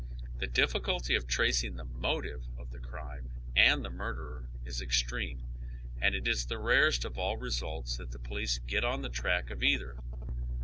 The difficulty of tracing the motive of the crime and the murderer is extreme, and it is the rarest of all re sults that the police get on the track of either.